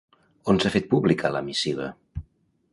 On s'ha fet pública la missiva?